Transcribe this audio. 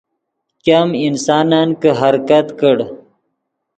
ګیم انسانن کہ حرکت کڑ